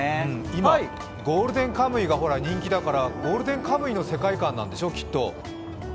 今、「ゴールデンカムイ」が人気だから「ゴールデンカムイ」の世界観なんでしょ、きっと。